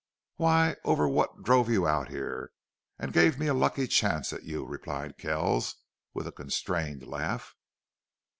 "Why, over what drove you out here and gave me a lucky chance at you," replied Kells, with a constrained laugh.